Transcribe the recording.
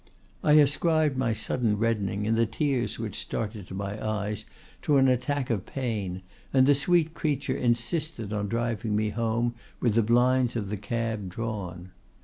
"I ascribed my sudden reddening and the tears which started to my eyes to an attack of pain, and the sweet creature insisted on driving me home with the blinds of the cab drawn.